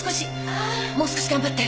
もう少し頑張って。